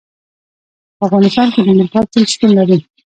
په افغانستان کې د مورغاب سیند شتون لري.